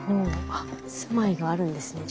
あっ住まいがあるんですね